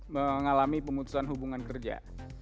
mengalami pemutusan hubungan kerja